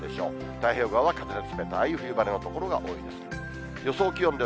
太平洋側は風が冷たい冬晴れの所が多いです。